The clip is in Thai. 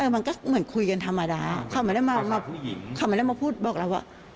มันก็เหมือนคุยกันธรรมดาเขาไม่ได้มาพูดบอกเราว่า